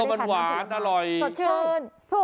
มันหวานอร่อยสดชื่น